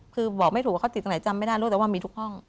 คือบอกไม่ถูกว่าเขาติดตรงไหนจำไม่ได้รู้แต่ว่ามีทุกห้อง